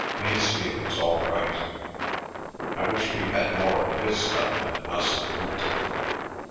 Masefield's all right. I wish we had more of his stuff and less of Milton.